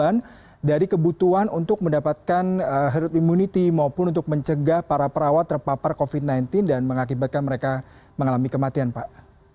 bagaimana dari kebutuhan untuk mendapatkan herd immunity maupun untuk mencegah para perawat terpapar covid sembilan belas dan mengakibatkan mereka mengalami kematian pak